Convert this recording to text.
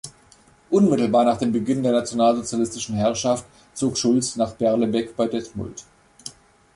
Unmittelbar nach dem Beginn der nationalsozialistischen Herrschaft zog Schulz nach Berlebeck bei Detmold.